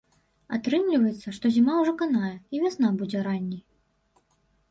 Атрымліваецца, што зіма ўжо канае і вясна будзе ранняй.